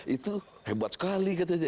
itu hebat sekali